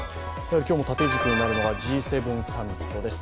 今日の縦軸になるのはＧ７広島サミットです。